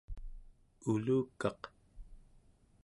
ulukaq